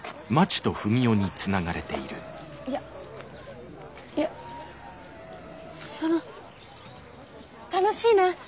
いやいやその楽しいな楽しいな。